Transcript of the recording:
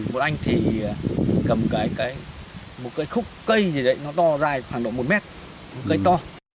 một anh thì cầm một cái khúc cây gì đấy nó to dài khoảng độ một mét cây to